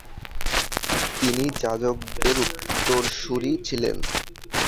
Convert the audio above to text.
তিনি যাজকদের উত্তরসূরি ছিলেন।